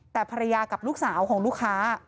แต่ภรรยากับลูกสาวของลูกค้า